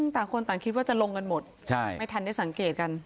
ต่างคนต่างคิดว่าจะลงกันหมดไม่ทันได้สังเกตกัน